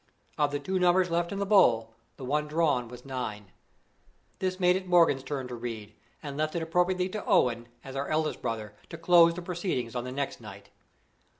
Of the two numbers left in the bowl, the one drawn was Nine. This made it Morgan's turn to read, and left it appropriately to Owen, as our eldest brother, to close the proceedings on the next night.